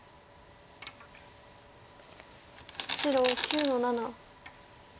白９の七。